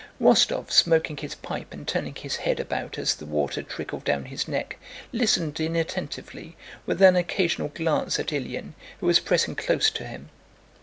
Rostóv, smoking his pipe and turning his head about as the water trickled down his neck, listened inattentively, with an occasional glance at Ilyín, who was pressing close to him.